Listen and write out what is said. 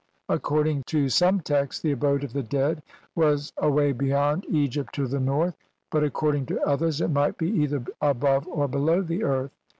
According to some texts the abode of the dead was away beyond Egypt to the north, but according to others it might be either above or below the earth.